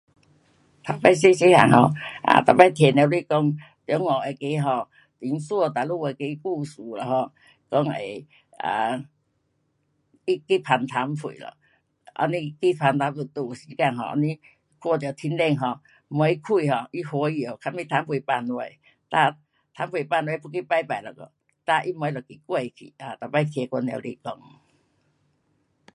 头次小小个 um 啊每次听母亲讲中国那个 um 唐山哪里那个故事啦 um，内 um 啊你去捧尿盆咯，这样你捧去倒时间 um 不看到天气冷 um 门开 um 他欢喜 um 快点尿盆放下。哒尿盆放下，要去拜拜一下，哒他门就给关去。哒每次听我母亲讲。